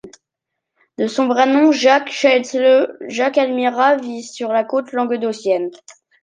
De son vrai nom Jacques Schaetzle, Jacques Almira vit sur la côte languedocienne.